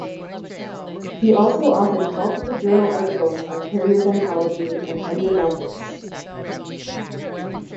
He also authored multiple journal articles on periodontology and endodontics.